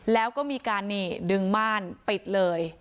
แล้วก็มีการนี่ดึงม่านปิดเลย